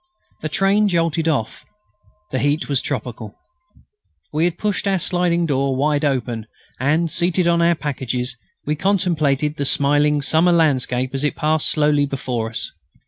The train jolted off. The heat was tropical. We had pushed our sliding door wide open, and, seated on our packages, we contemplated the smiling summer landscape as it passed slowly before us.